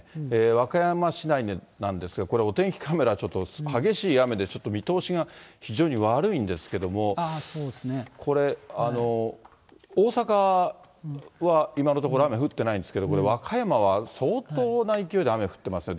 和歌山市内なんですが、これお天気カメラ、ちょっと激しい雨で、見通しが非常に悪いんですけれども、これ、大阪は今のところ、雨降ってないんですけれども、これ、和歌山は相当な勢いで雨が降ってますね。